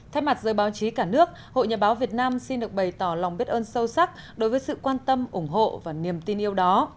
thay mặt giới báo chí cả nước hội nhà báo việt nam xin được bày tỏ lòng biết ơn sâu sắc đối với sự quan tâm ủng hộ và niềm tin yêu đó